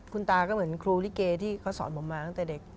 คุณตาก็เหมือนครูลิเกที่เขาสอนผมมาตั้งแต่เด็ก